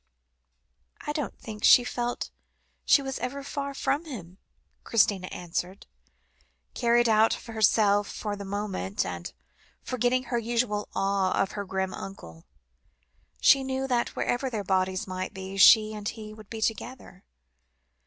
"I don't think she felt she was ever far away from him," Christina answered, carried out of herself for the moment, and forgetting her usual awe of her grim uncle. "She knew that wherever their bodies might be, she and he would be together.